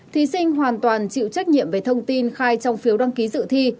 thí sinh hoàn toàn chịu trách nhiệm về thông tin khai trong phiếu đăng ký dự thi